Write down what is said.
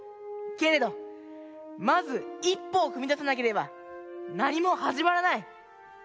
けれどまず一歩をふみださなければなにもはじまらない。